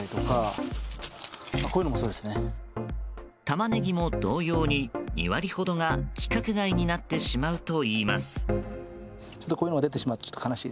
タマネギも同様に２割ほどが、規格外になってしまうといいます。